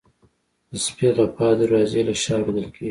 د سپي غپا د دروازې له شا اورېدل کېږي.